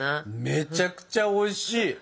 めちゃくちゃおいしい！